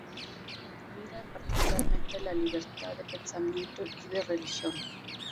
Admiran particularmente la libertad de pensamiento y de religión.